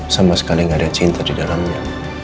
sama sekali gak ada cinta di dalamnya